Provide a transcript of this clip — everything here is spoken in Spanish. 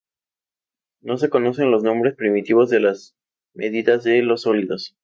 No se conocen los nombres primitivos de las medidas de los sólidos.